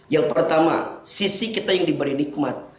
yang pertama sisi kita yang diberi nikmat